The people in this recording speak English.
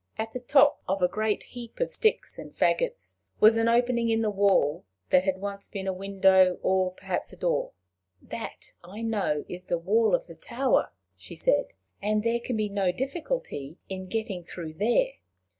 At the top of a great heap of sticks and fagots was an opening in the wall, that had once been a window, or perhaps a door. "That, I know, is the wall of the tower," she said; "and there can be no difficulty in getting through there.